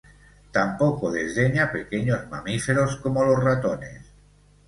Tampoco desdeña pequeños mamíferos como los ratones.